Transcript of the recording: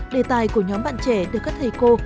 đề tài của nhóm bạn trẻ được các thầy cô